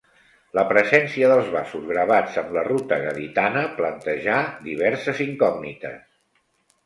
La presència dels vasos gravats amb la ruta gaditana plantejà diverses incògnites.